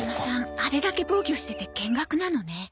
あれだけ防御してて見学なのね。